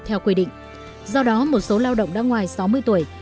theo quy định do đó một số lao động đã ngoài sáu mươi tuổi